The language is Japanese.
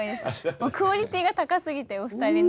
もうクオリティーが高すぎてお二人の。